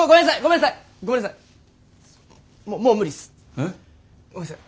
えっ？ごめんなさい